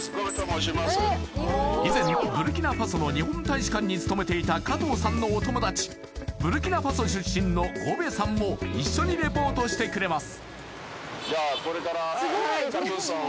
以前ブルキナファソの日本大使館に勤めていた加藤さんのお友だちブルキナファソ出身のゴベさんも一緒にリポートしてくれます